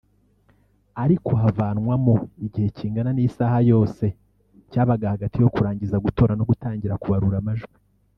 ariko havanwamo igihe kingana n’isaha yose cyabaga hagati yo kurangiza gutora no gutangira kubarura amajwi